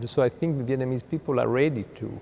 trong lĩnh vực của bạn